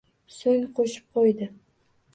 So`ng qo`shib qo`ydi